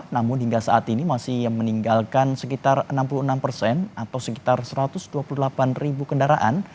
namun hingga saat ini masih meninggalkan sekitar enam puluh enam persen atau sekitar satu ratus dua puluh delapan ribu kendaraan